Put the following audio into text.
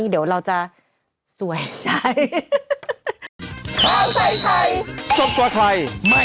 เดี๋ยวเราจะสวยใจ